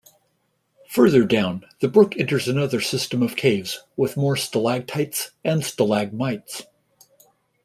Further down, the brook enters another system of caves with more stalactites and stalagmites.